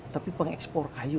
tapi pengekspor kayu